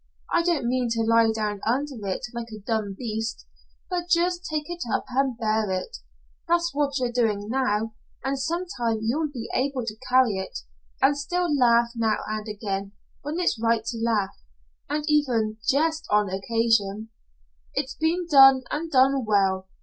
I don't mean to lie down under it like a dumb beast but just take it up and bear it. That's what you're doing now, and sometime you'll be able to carry it, and still laugh now and again, when it's right to laugh and even jest, on occasion. It's been done and done well.